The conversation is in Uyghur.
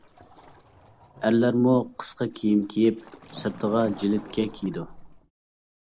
ئەرلەرمۇ قىسقا كىيىم كىيىپ، سىرتىغا جىلىتكە كىيىدۇ.